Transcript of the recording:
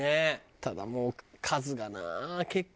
ただもう数がな結構。